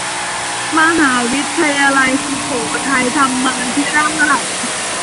มหาวิทยาลัยสุโขทัยธรรมาธิราช